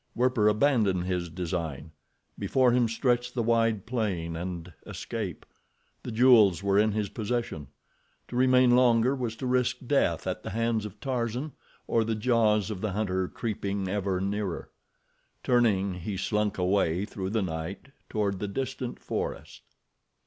Werper abandoned his design. Before him stretched the wide plain and escape. The jewels were in his possession. To remain longer was to risk death at the hands of Tarzan, or the jaws of the hunter creeping ever nearer. Turning, he slunk away through the night, toward the distant forest.